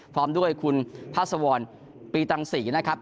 พร้อมด้วยคุณพาสวรปีตังศรีนะครับ